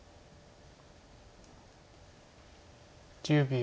１０秒。